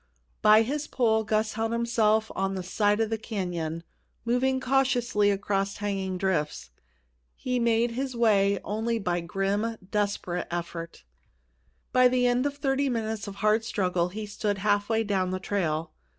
By his pole Gus held himself on to the side of the canyon, moving cautiously across hanging drifts. He made his way only by grim, desperate effort. At the end of thirty minutes of hard struggle he stood half way down the trail.